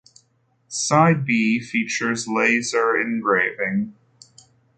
Side B features laser engraving.